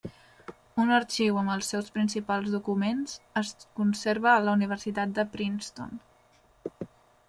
Un arxiu amb els seus principals documents es conserva a la Universitat de Princeton.